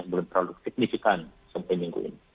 belum terlalu signifikan sampai minggu ini